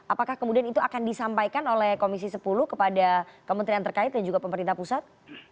apakah kemudian itu akan disampaikan oleh komisi sepuluh kepada kementerian terkait dan juga pemerintah pusat